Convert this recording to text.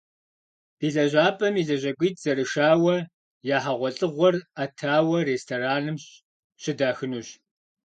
Ди лэжьапӏэм и лэжьакӏуитӏ зэрышауэ, я хьэгъуэлӏыгъуэр ӏэтауэ рестораным щыдахынущ.